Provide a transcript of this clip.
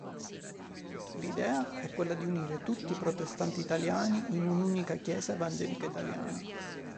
L'idea è quella di unire tutti i protestanti italiani in un'unica chiesa evangelica italiana.